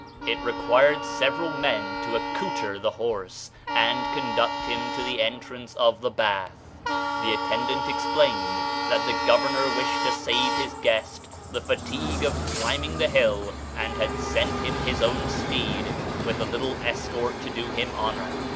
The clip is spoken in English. It required several men to accouter the horse, and conduct him to the entrance of the bath. The attendant explained that the gov ernor wished to save his guest the fatigue of climbing the hill, and had sent his own steed with a little escort to do him honor.